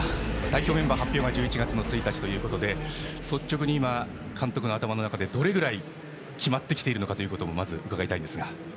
代表メンバー発表が１１月の１日ということで率直に今監督の頭の中でどのぐらい決まってきているかをまず伺いたいんですが。